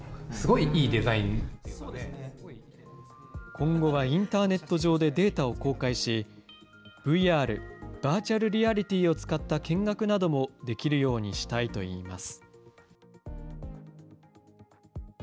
今後はインターネット上でデータを公開し、ＶＲ・バーチャルリアリティーを使った見学などもできるようにしたいといいます。